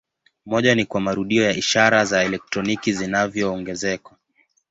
Moja ni kwa marudio ya ishara za elektroniki zinazoongezwa.